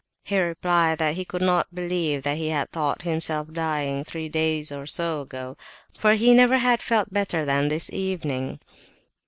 he replied that he could not believe that he had thought himself dying three days or so ago, for he never had felt better than this evening.